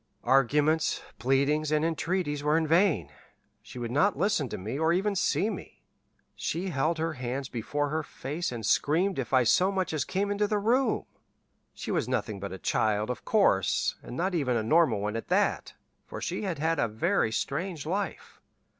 "Arguments, pleadings, and entreaties were in vain. She would not listen to me, or even see me. She held her hands before her face and screamed if I so much as came into the room. She was nothing but a child, of course, and not even a normal one at that, for she had had a very strange life.